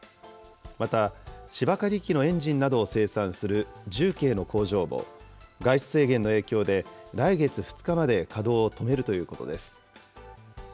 また、芝刈り機のエンジンなどを生産する重慶の工場も、外出制限の影響で来月２日まで稼働を止めるということです。